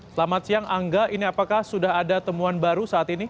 selamat siang angga ini apakah sudah ada temuan baru